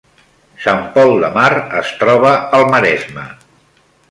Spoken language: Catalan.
Sant Pol de Mar es troba al Maresme